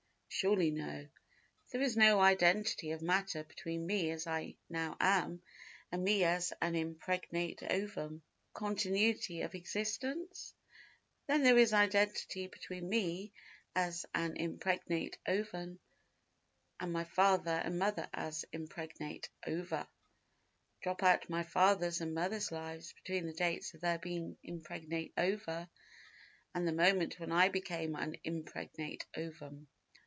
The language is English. Surely no. There is no identity of matter between me as I now am, and me as an impregnate ovum. Continuity of existence? Then there is identity between me as an impregnate ovum and my father and mother as impregnate ova. Drop out my father's and mother's lives between the dates of their being impregnate ova and the moment when I became an impregnate ovum.